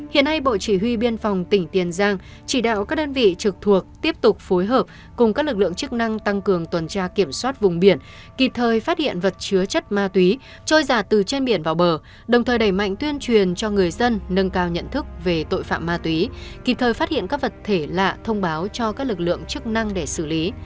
hiện nay bộ chỉ huy biên phòng tỉnh tiền giang chỉ đạo các đơn vị trực thuộc tiếp tục phối hợp cùng các lực lượng chức năng tăng cường tuần tra kiểm soát vùng biển kịp thời phát hiện vật chứa chất ma túy trôi giả từ trên biển vào bờ đồng thời đẩy mạnh tuyên truyền cho người dân nâng cao nhận thức về tội phạm ma túy kịp thời phát hiện các vật thể lạ thông báo cho các lực lượng chức năng để xử lý